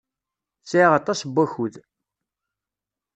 Sɛiɣ aṭas n wakud.